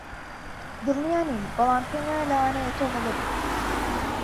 دڵنیا نیم، بەڵام پێم وایە لەوانەیە تۆ هەڵە بیت.